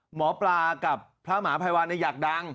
หมอปลากับพระหมาภัยวันอยากดัง